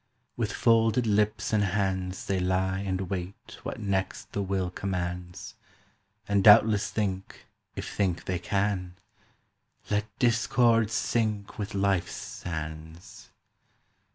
. "With folded lips and hands They lie and wait what next the Will commands, And doubtless think, if think they can: 'Let discord Sink with Life's sands!